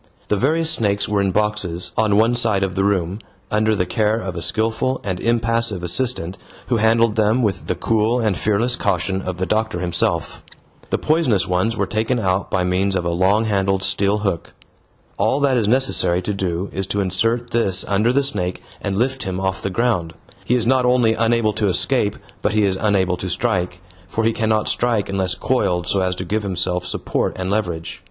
The various snakes were in boxes, on one side of the room, under the care of a skilful and impassive assistant, who handled them with the cool and fearless caution of the doctor himself. The poisonous ones were taken out by means of a long handled steel hook. All that is necessary to do is to insert this under the snake and lift him off the ground. He is not only unable to escape, but he is unable to strike, for he cannot strike unless coiled so as to give himself support and leverage.